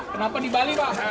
kenapa di bali pak